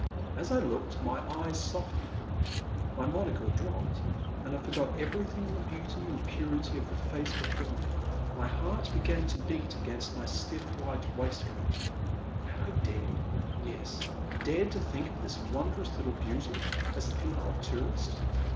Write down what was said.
As I looked, my eyes softened, my monocle dropped, and I forgot everything in the beauty and purity of the face before me. My heart began to beat against my stiff white waistcoat. Had I dared — yes, dared to think of this won drous little beauty, as a female tourist